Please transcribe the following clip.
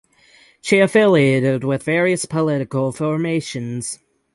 She affiliated with various political formations.